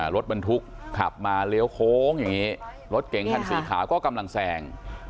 รถบรรทุกขับมาเลี้ยวโค้งอย่างนี้รถเก่งคันสีขาวก็กำลังแซง